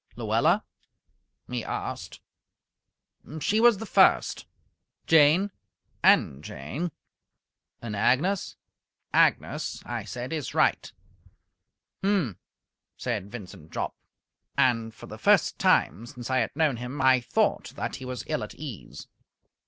"Luella?" he asked. "She was the first." "Jane?" "And Jane." "And Agnes?" "Agnes," I said, "is right." "H'm!" said Vincent Jopp. And for the first time since I had known him I thought that he was ill at ease.